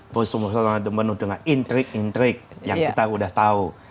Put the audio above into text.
bersumbuh sumbuhnya penuh dengan intrik intrik yang kita sudah tahu